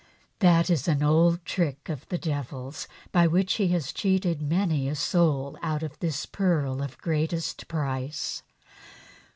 That is an old trick of the devil's, by which he has cheated many a soul out of this pearl of greatest price.